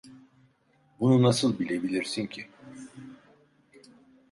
Bunu nasıl bilebilirsin ki?